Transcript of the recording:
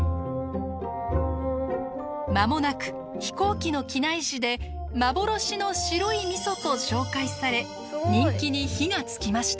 間もなく飛行機の機内誌で幻の白いみそと紹介され人気に火が付きました。